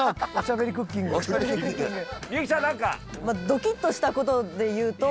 ドキッとした事で言うと。